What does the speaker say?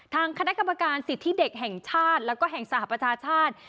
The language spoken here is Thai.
ทางคณะกรรมการสิทธิเด็กแห่งชาติแล้วก็แห่งสหประชาชาติ